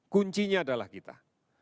kuncinya adalah kita